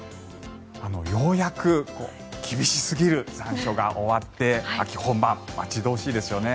ようやく厳しすぎる残暑が終わって秋本番、待ち遠しいですよね。